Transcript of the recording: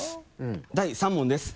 第３問です。